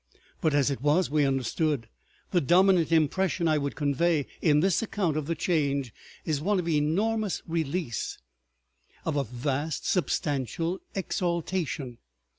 But, as it was, we understood. The dominant impression I would convey in this account of the Change is one of enormous release, of a vast substantial exaltation.